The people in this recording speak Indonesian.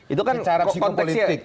itu kan konteksnya